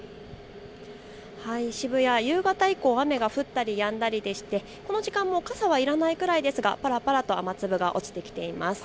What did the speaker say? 渋谷、夕方以降、雨が降ったりやんだりでして、この時間も傘がいらないくらいですが、ぱらぱらと雨粒が落ちてきています。